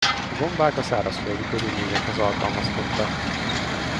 A gombák a szárazföldi körülményekhez alkalmazkodtak.